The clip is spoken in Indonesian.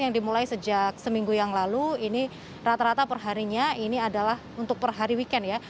yang dimulai sejak seminggu yang lalu ini rata rata perharinya ini adalah untuk per hari weekend ya